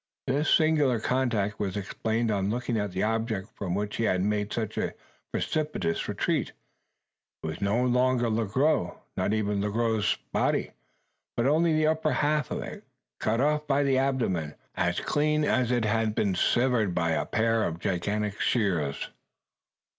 This singular conduct was explained on looking at the object from which he had made such a precipitate retreat. It was no longer Le Gros, nor even Le Gros's body; but only the upper half of it, cut off by the abdomen, as clean as if it had been severed by a pair of gigantic shears!